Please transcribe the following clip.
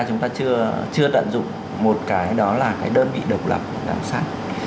chúng ta chưa chưa tận dụng một cái đó là cái đơn vị độc lập giám sát